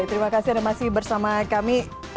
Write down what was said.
terima kasih anda masih bersama kami